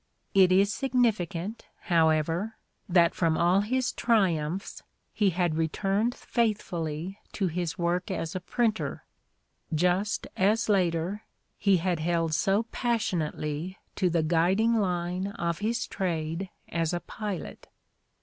It is significant, however, that from all his triumphs he had returned faithfully to his work as a printer, just as later he had held so pas sionately to the guiding line of his trade as a pilot.